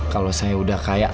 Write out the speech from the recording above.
kalau saya udah kaya